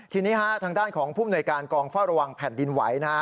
ทีนี้ทางด้านของผู้อุณหาการกองฝ้าระวังแผ่นดินไหว